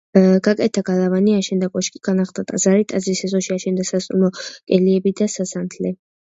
გაკეთდა გალავანი, აშენდა კოშკი, განახლდა ტაძარი, ტაძრის ეზოში აშენდა სასტუმრო კელიები და სასანთლე.